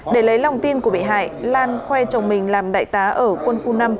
để lấy lòng tin của bị hại lan khoe chồng mình làm đại tá ở quân khu năm